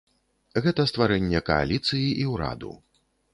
Гэта стварэнне кааліцыі і ўраду.